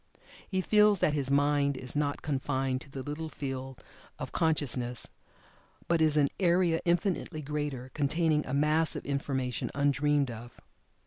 He feels that his "mind" is not confined to the little field of consciousness, but is an area infinitely greater, containing a mass of information undreamed of.